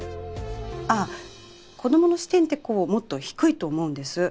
あっ子供の視点ってこうもっと低いと思うんです